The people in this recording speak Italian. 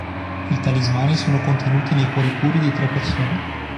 I talismani sono contenuti nei cuori puri di tre persone.